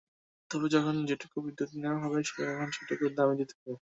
তবে যখন যেটুকু বিদ্যুৎ নেওয়া হবে, তখন সেটুকুর দামই দিতে হবে।